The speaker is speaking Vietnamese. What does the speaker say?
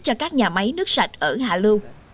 cho các nhà máy nước sạch ở hạ lưu